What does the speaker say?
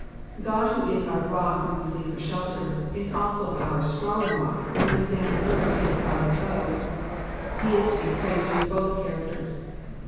God who is our rock when we hce for shelter, is also our strong rock when we stand firm and defy the foe ; he is to be praised under both characters.